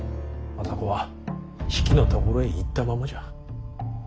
政子は比企のところへ行ったままじゃ。